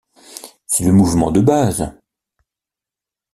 C'est le mouvement de base.